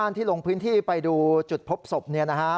บ้านที่ลงพื้นที่ไปดูจุดพบศพนี่นะครับ